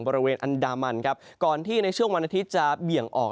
บริเวณอันดามันครับก่อนที่ในช่วงวันอาทิตย์จะเบี่ยงออก